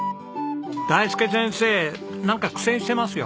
大介先生なんか苦戦してますよ。